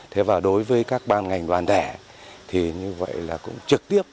thế và đối với các ban ngành đoàn thể thì như vậy là cũng trực tiếp